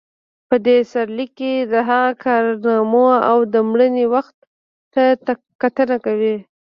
په دې سرلیک کې د هغه کارنامو او د مړینې وخت ته کتنه کوو.